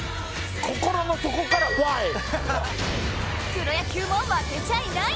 プロ野球も負けちゃいない！